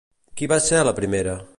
Qui va ser la primera?